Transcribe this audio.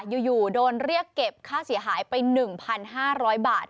อยู่โดนเรียกเก็บค่าเสียหายไป๑๕๐๐บาท